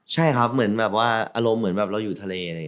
ใช่ครับเหมือนว่าอารมณ์เหมือนว่าเราอยู่ทะเล